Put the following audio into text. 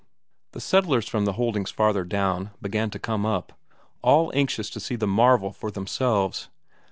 The settlers from the holdings farther down began to come up, all anxious to see the marvel for themselves.